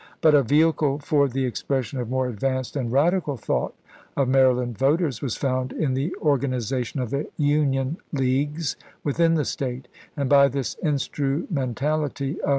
But a vehicle for the expression of more 458 ABRAHAM LINCOLN CHAP. XIX. advanced and radical thought of Maryland voters was found in the organization of the Union Leagues Am^S" within the State; and by this instrumentality a "^Tses!